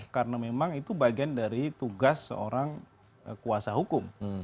karena memang itu bagian dari tugas seorang kuasa hukum